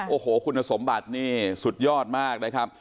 โอ้โหคุณสมบัตินี่สุดยอดมากนะครับ